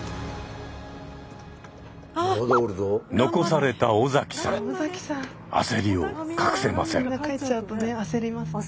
残された尾崎さん焦りを隠せません。